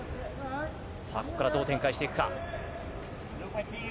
さあ、ここからどう展開していくか。